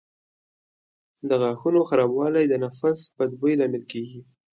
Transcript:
د غاښونو خرابوالی د نفس بد بوی لامل کېږي.